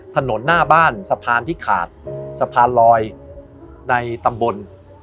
ถนนหน้าบ้านสะพานที่ขาดสะพานลอยในตำบล